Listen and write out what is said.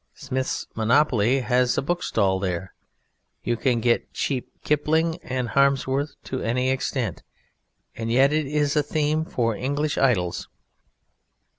Smith's monopoly has a bookstall there; you can get cheap Kipling and Harmsworth to any extent, and yet it is a theme for English idylls.